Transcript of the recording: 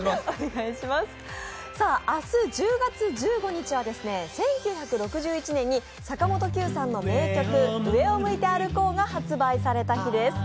明日１０月１５日は、１９６１年に坂本九さんの名曲「上を向いて歩こう」が発売された日です。